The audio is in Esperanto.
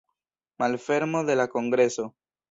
Malfermo de la kongreso.